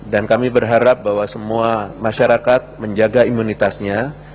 dan kami berharap bahwa semua masyarakat menjaga imunitasnya